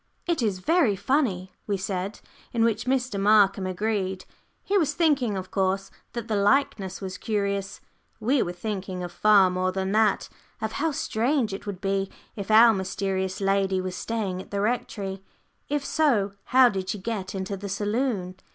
"It is very funny," we said, in which Mr. Markham agreed. He was thinking, of course, that the likeness was curious; we were thinking of far more than that of how strange it would be if our mysterious lady was staying at the Rectory. If so, how did she get into the saloon?